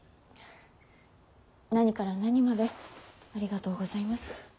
何から何までありがとうございます。